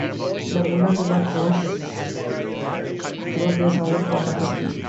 The Mulan River flows through the southern part of the city.